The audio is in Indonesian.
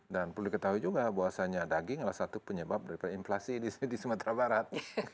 dan perlu diketahui juga bahwasanya daging adalah satu penyebab dari inflasi di sumatera barat